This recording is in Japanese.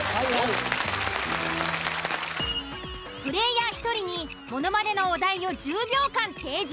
プレイヤー１人にものまねのお題を１０秒間提示。